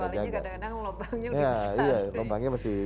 kesuali ini kadang kadang lubangnya lebih besar